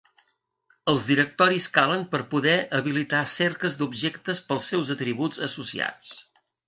Els directoris calen per poder habilitar cerques d'objectes pels seus atributs associats.